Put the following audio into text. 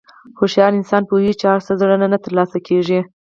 هوښیار انسان پوهېږي چې هر څه زر نه تر لاسه کېږي.